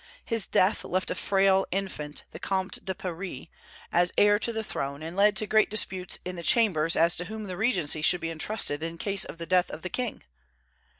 His death left a frail infant, the Comte de Paris, as heir to the throne, and led to great disputes in the Chambers as to whom the regency should be intrusted in case of the death of the king.